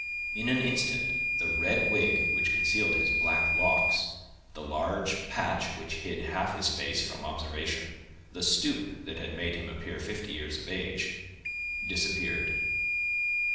In an instant, the red wig which concealed his black locks, the large patch which hid half his face from observation, the stoop that had made him appear fifty years of age, disappeared.